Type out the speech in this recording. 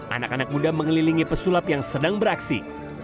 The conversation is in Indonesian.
anak anak muda mengelilingi pesulap yang sedang beraksi